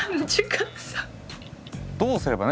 どうすればね